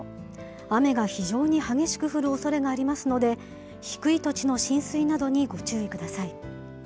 雨が非常に激しく降るおそれがありますので、低い土地の浸水などにご注意ください。